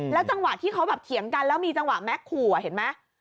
แล้วจังหวะที่เขาแบบเถียงกันแล้วมีจังหวะแมคขู่เห็นมั้ย